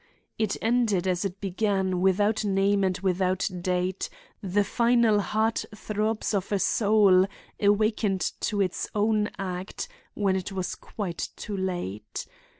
It ended, as it began, without name and without date,—the final heart throbs of a soul, awakened to its own act when it was quite too late.